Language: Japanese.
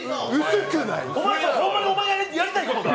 ホンマにお前がやりたいことか？